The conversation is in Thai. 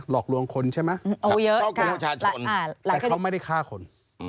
หลอกลวงคนใช่ไหมแต่เขาไม่ได้ฆ่าคน